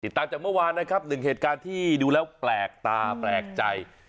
ตามจากเมื่อวานนะครับหนึ่งเหตุการณ์ที่ดูแล้วแปลกตาแปลกใจ